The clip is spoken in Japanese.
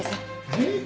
・えっ？